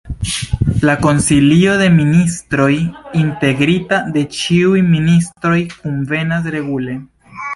La Konsilio de Ministroj, integrita de ĉiuj ministroj, kunvenas regule.